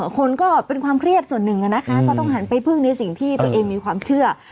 คนก็เป็นความเครียดส่วนหนึ่งนะคะก็ต้องหันไปพึ่งในสิ่งที่ตัวเองมีความเชื่อ